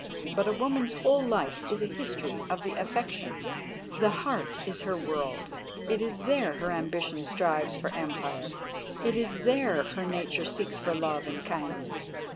But a woman's whole life is a history of the affections. The heart is her world; it is there her ambition strives for empire; it is there her nature seeks for love and kindness.